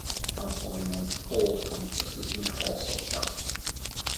Counselling and cold compresses may also help.